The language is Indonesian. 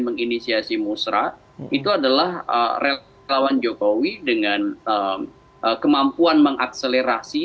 menginisiasi musra itu adalah relawan jokowi dengan kemampuan mengakselerasi